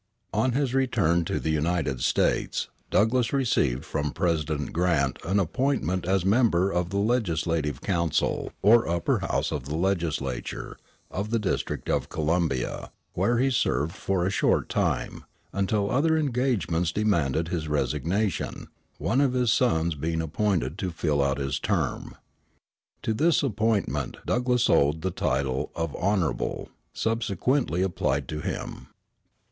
On his return to the United States Douglass received from President Grant an appointment as member of the legislative council, or upper house of the legislature, of the District of Columbia, where he served for a short time, until other engagements demanded his resignation, [one of] his son[s] being appointed to fill out his term. To this appointment Douglass owed the title of "Honorable," subsequently applied to him.